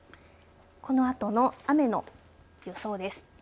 このあとの雨の予想です。